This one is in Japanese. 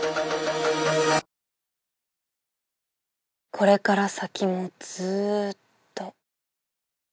これから先もずっと。